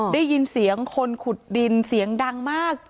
ได้ยินเสียงคนขุดดินเสียงดังมาก